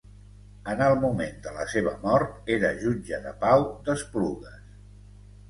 En el moment de la seva mort, era jutge de pau d'Esplugues.